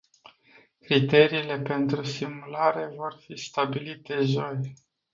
Criteriile pentru simulare vor fi stabilite joi.